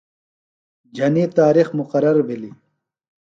جھنی تارِخ مقرر بِھلیۡ۔